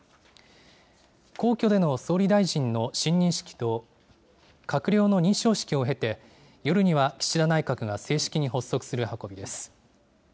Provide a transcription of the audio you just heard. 皇居での総理大臣の親任式と、閣僚の認証式を経て、夜には岸田内閣が正式に発足する運びです。